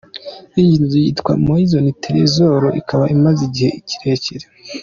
Iyi nzu yitwa Maison Trezor ikaba imaze igihe kirekire.